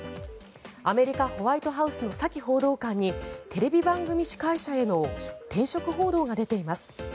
アメリカ・ホワイトハウスのサキ報道官にテレビ番組司会者への転職報道が出ています。